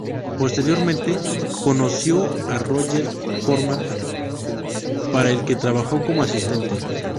Posteriormente conoció a Roger Corman, para el que trabajó como asistente.